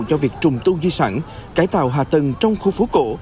cho việc trùng tu di sản cải tạo hạ tầng trong khu phố cổ